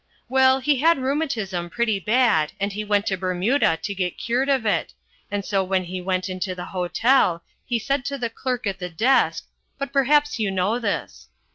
"Well he had rheumatism pretty bad and he went to Bermuda to get cured of it. And so when he went into the hotel he said to the clerk at the desk but, perhaps you know this."